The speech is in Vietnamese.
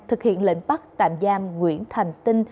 thực hiện lệnh bắt tạm giam nguyễn thành tinh